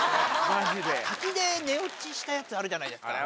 滝で寝落ちしたやつあるじゃないですか。